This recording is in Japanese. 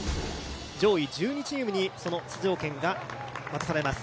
上位１２チームに、その出場権が渡されます。